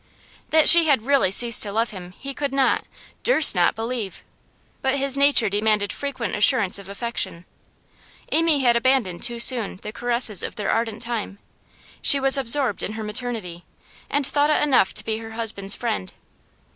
That she had really ceased to love him he could not, durst not, believe; but his nature demanded frequent assurance of affection. Amy had abandoned too soon the caresses of their ardent time; she was absorbed in her maternity, and thought it enough to be her husband's friend.